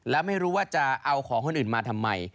แล้วไม่รู้ว่าจะเอาของคนอื่นมาทำไม